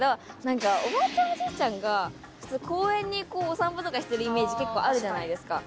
おじいちゃんが公園にお散歩とかしてるイメージ結構あるじゃないですか。